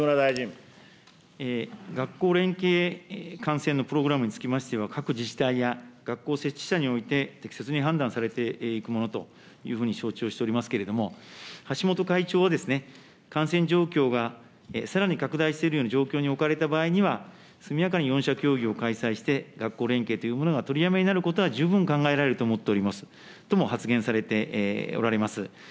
学校連携観戦のプログラムにつきましては、各自治体や学校設置者において、適切に判断されていくものというふうに承知をしておりますけれども、橋本会長はですね、感染状況がさらに拡大しているような状況に置かれた場合には、速やかに４者協議を開催して、学校連携というものが取りやめになることは、十分考えられると思っておりますとも発言されておられます。